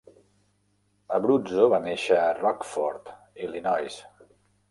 Abruzzo va néixer a Rockford, Illinois.